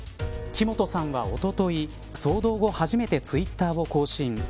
木本さんは、おととい騒動後初めてツイッターを更新。